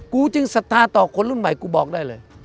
กูจึงศรัทธาต่อคนรุ่นใหม่กูบอกได้เลย